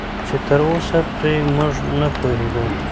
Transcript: چې تراوسه پرې موږ نه پوهېدو